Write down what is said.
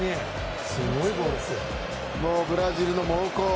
ブラジルの猛攻。